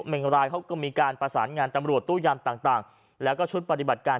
งรายเขาก็มีการประสานงานตำรวจตู้ยามต่างแล้วก็ชุดปฏิบัติการ